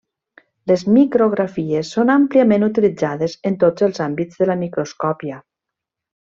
Les micrografies són àmpliament utilitzades en tots els àmbits de la microscòpia.